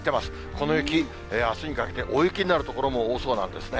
この雪、あすにかけて大雪になる所も多そうなんですね。